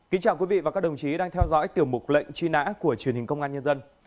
kính chào quý vị và các đồng chí đang theo dõi tiểu mục lệnh truy nã của truyền hình công an nhân dân